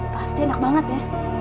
pasti enak banget ya